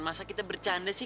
masa kita bercanda sih